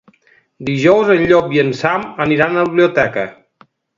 Dijous en Llop i en Sam aniran a la biblioteca.